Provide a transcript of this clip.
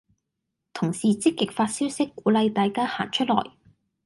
同事積極發消息鼓勵大家行出來